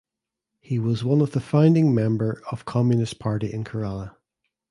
He was one of the founding member of Communist Party in Kerala.